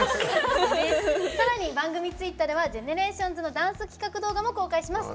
さらに番組ツイッターではＧＥＮＥＲＡＴＩＯＮＳのダンス企画動画も公開します。